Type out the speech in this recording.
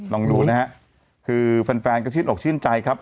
ลองดูนะฮะคือแฟนก็ชื่นอกชื่นใจครับ